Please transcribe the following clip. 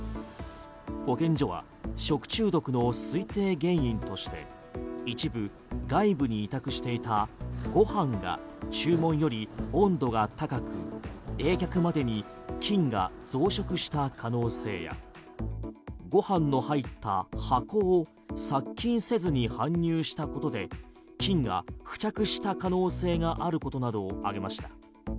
保健所は食中毒の推定原因として一部外部に委託していたご飯が注文より温度が高く冷却までに菌が増殖した可能性やご飯の入った箱を殺菌せずに搬入したことで菌が付着した可能性があることなどを挙げました。